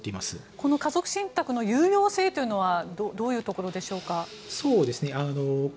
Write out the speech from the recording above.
この家族信託の有用性というのはどういうところでしょうか？